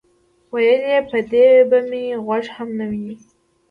ویل یې: په دې به مې غوږ هم نه وینئ.